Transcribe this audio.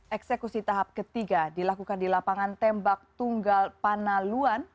eksekusi tahap ketiga dilakukan di lapangan tembak tunggal panaluan